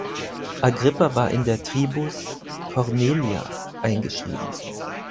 Agrippa war in der Tribus "Cornelia" eingeschrieben.